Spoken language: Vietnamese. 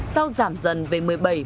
sau giảm dần về một mươi bảy một mươi tám